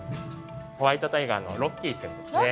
ホワイトタイガーのロッキーくんですね。